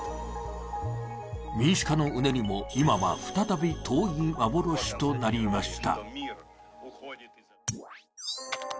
民主化のうねりも今は再び遠い幻となりました。